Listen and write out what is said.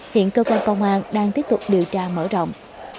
hiện cơ quan công an đang tiếp tục điều tra mở rộng